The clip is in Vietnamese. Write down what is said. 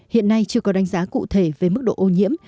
hiện nay chưa có đánh giá cụ thể về mức độ ô nhiễm